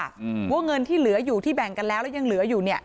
อืมว่าเงินที่เหลืออยู่ที่แบ่งกันแล้วแล้วยังเหลืออยู่เนี่ย